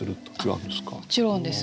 もちろんです。